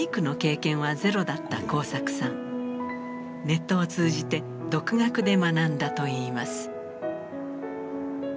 ネットを通じて独学で学んだといいます。